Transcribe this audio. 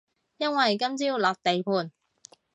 因為今朝落地盤